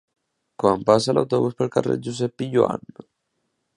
Quan passa l'autobús pel carrer Josep Pijoan?